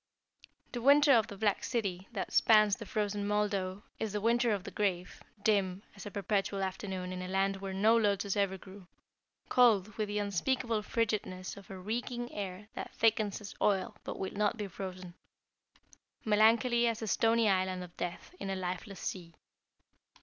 The winter of the black city that spans the frozen Moldau is the winter of the grave, dim as a perpetual afternoon in a land where no lotus ever grew, cold with the unspeakable frigidness of a reeking air that thickens as oil but will not be frozen, melancholy as a stony island of death in a lifeless sea.